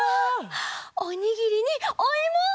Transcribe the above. おにぎりにおいも！